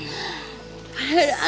adriana ke sana